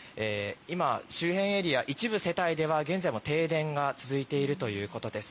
今、周辺エリア一部世帯では現在も停電が続いているということです。